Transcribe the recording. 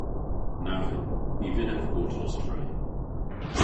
Na vynn. Ny vynn ev gortos tre.